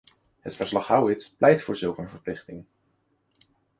Het verslag-Howitt pleit voor zulk een verplichting.